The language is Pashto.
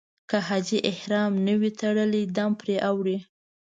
که حاجي احرام نه وي تړلی دم پرې اوړي.